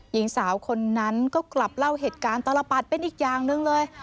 หญิงสาวคนนั้นก็กลับเล่าเหตุการณ์ตลปัดเป็นอีกอย่างหนึ่งเลย